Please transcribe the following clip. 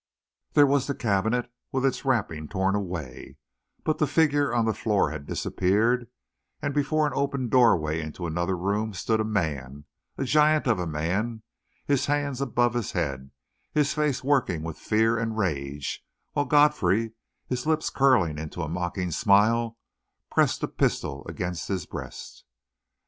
There was the cabinet with its wrappings torn away; but the figure on the floor had disappeared, and before an open doorway into another room stood a man, a giant of a man, his hands above his head, his face working with fear and rage, while Godfrey, his lips curling into a mocking smile, pressed a pistol against his breast.